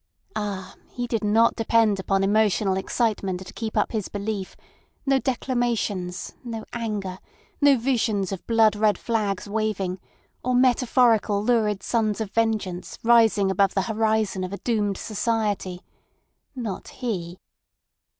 Ah! he did not depend upon emotional excitement to keep up his belief, no declamations, no anger, no visions of blood red flags waving, or metaphorical lurid suns of vengeance rising above the horizon of a doomed society. Not he!